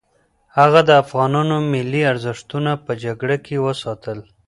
هغه د افغانانو ملي ارزښتونه په جګړه کې وساتل.